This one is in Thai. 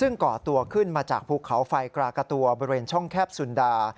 ซึ่งก่อตัวขึ้นมาจากภูเขาไฟกรากะตัวบริเวณช่องแคบสุนดา